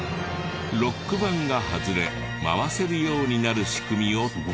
ロック板が外れ回せるようになる仕組みを手作り。